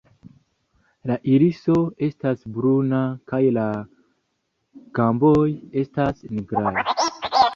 La iriso estas bruna kaj la gamboj estas nigraj.